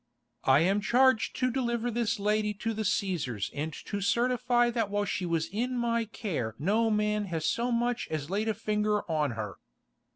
I am charged to deliver this lady to the Cæsars and to certify that while she was in my care no man has so much as laid a finger on her.